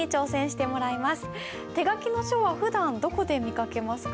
手書きの書はふだんどこで見かけますか？